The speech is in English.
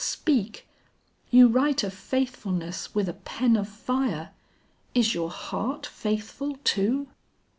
Speak; you write of faithfulness with a pen of fire, is your heart faithful too?"